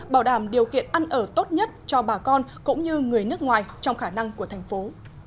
bảo đảm điều kiện ăn ở tốt nhất cho bà con cũng như người nước ngoài trong khả năng của thành phố